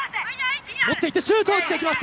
持っていってシュートを打ってきました。